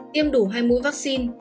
tiêm đủ hai mũi vaccine